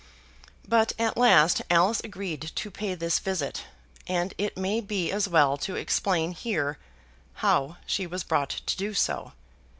But at last Alice agreed to pay this visit, and it may be as well to explain here how she was brought to do so.